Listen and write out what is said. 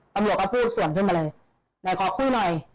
ตำรวจก็พูดส่วนขึ้นมาเลยไหนขอคู่หน่อย